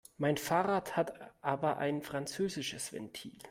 Mein Fahrrad hat aber ein französisches Ventil.